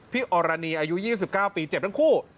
อรณีอายุ๒๙ปีเจ็บทั้งคู่